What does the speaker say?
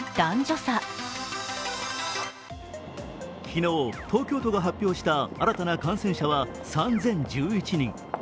昨日、東京都が発表した新たな感染者は３０１１人。